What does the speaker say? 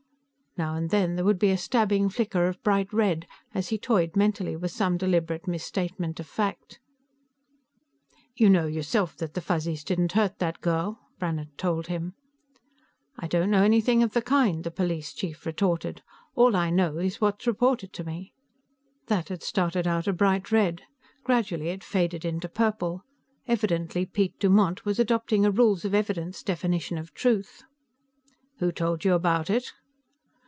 Now and then there would be a stabbing flicker of bright red as he toyed mentally with some deliberate misstatement of fact. "You know, yourself, that the Fuzzies didn't hurt that girl," Brannhard told him. "I don't know anything of the kind," the police chief retorted. "All I know's what was reported to me." That had started out a bright red; gradually it faded into purple. Evidently Piet Dumont was adopting a rules of evidence definition of truth. "Who told you about it?"